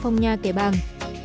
phong nha kẻ bàng